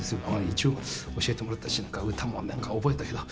「一応教えてもらったし歌も何か覚えたけど。